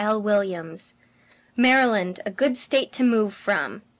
"MARYLAND A GOOD STATE TO MOVE FROM!"